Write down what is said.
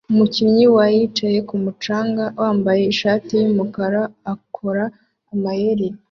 Umukinnyi wa yicaye kumu canga wambaye ishati yumukara akora amayeri